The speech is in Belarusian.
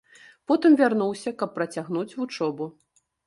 Потым вярнуўся, каб працягнуць вучобу.